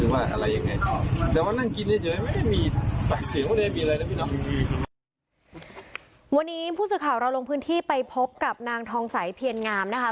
วันนี้ผู้สื่อข่าวเราลงพื้นที่ไปพบกับนางทองใสเพียรงามนะคะ